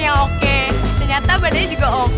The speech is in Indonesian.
kayaknya mukanya doang yang oke ternyata badannya juga oke